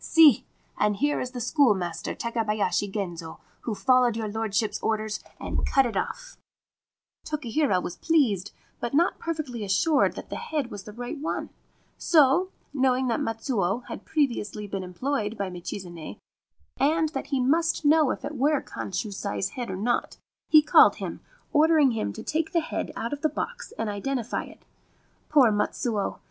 See ! And here is the schoolmaster Take bayashi Genzo, who followed your lordship's orders and cut it off/ Tokihira was pleased, but not perfectly assured that the head was the right one : so, knowing that Matsuo had previously been employed by Michizane, and that he must know if it were Kanshusai's head or not, he called him, ordering him to take the head out of the box and identify it. Poor Matsuo